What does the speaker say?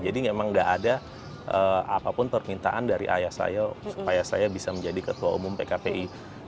jadi memang enggak ada apapun permintaan dari ayah saya supaya saya bisa menjadi ketua umum pkpi